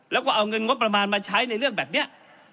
แล้วก็เอาเงินงบประมาณมาใช้ในเรื่องแบบนี้